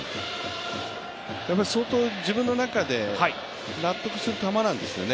相当、自分の中で納得する球なんですよね。